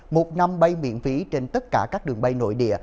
một năm bay miễn phí trên tất cả các đường bay nội địa